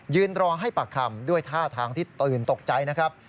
รอให้ปากคำด้วยท่าทางที่ตื่นตกใจนะครับ